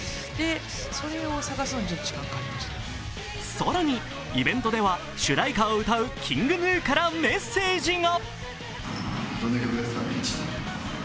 更にイベントでは主題歌を歌うｋｉｎｇＧｎｕからメッセージが。